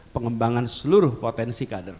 pengembangan seluruh potensi kader